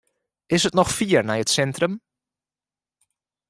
Is it noch fier nei it sintrum?